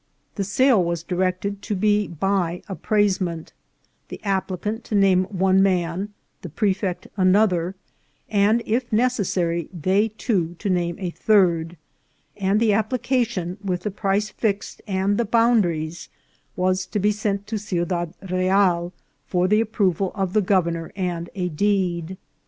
The sale was directed to be by appraisement, the appli cant to name one man, the prefect another, and, if ne cessary, they two to name a third; and the application, with the price fixed and the boundaries, was to be sent to Ciudad Real for the approval of the governor and a deed.